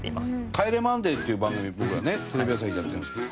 『帰れマンデー』っていう番組を僕らねテレビ朝日でやってるんですよ。